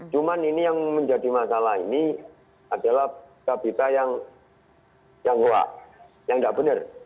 cuma ini yang menjadi masalah ini adalah pita pita yang goa yang tidak benar